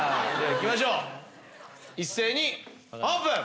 行きましょう一斉にオープン！